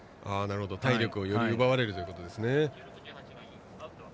体力をより奪われるということですね。